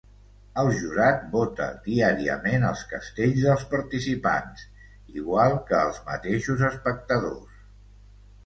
El jurat vota diàriament els castells dels participants, igual que els mateixos espectadors.